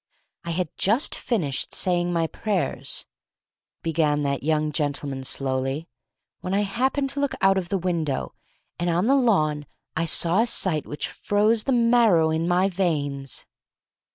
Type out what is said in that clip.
"I had just finished saying my prayers," began that young gentleman, slowly, "when I happened to look out of the window, and on the lawn I saw a sight which froze the marrow in my veins!